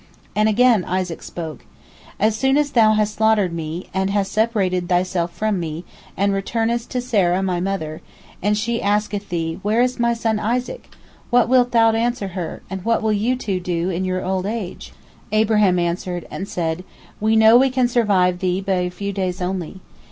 And again Isaac spoke: "As soon as thou hast slaughtered me, and hast separated thyself from me, and returnest to Sarah my mother, and she asketh thee, Where is my son Isaac? what wilt thou answer her, and what will you two do in your old age?" Abraham answered, and said, "We know we can survive thee by a few days only.